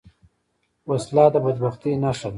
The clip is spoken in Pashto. وسله د بدبختۍ نښه ده